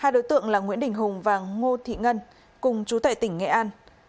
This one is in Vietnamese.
hai đối tượng là nguyễn đình hùng và ngô thị ngân cùng chú tệ tỉnh nghệ an